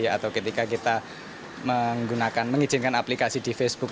atau ketika kita menggunakan mengizinkan aplikasi di facebook